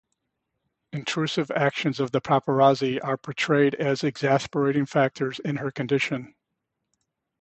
Intrusive actions of the paparazzi are portrayed as exacerbating factors in her condition.